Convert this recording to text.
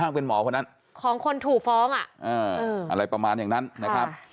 ของของของคนถูกฟ้องอ่ะเอออะไรประมาณอย่างนั้นนะครับค่ะ